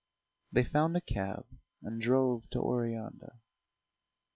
They found a cab and drove to Oreanda.